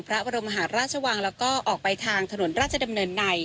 พระบรมหาราชวังแล้วก็ออกไปทางถนนราชดำเนินใน